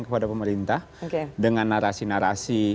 kepada pemerintah dengan narasi narasi